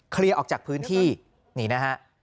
เคลียร์ออกจากพื้นที่นี่นะฮะ